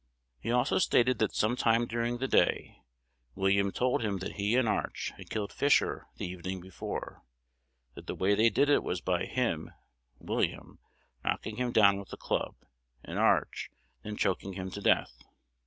He also stated that some time during the day William told him that he and Arch, had killed Fisher the evening before; that the way they did it was by him (William) knocking him down with a club, and Arch, then choking him to death.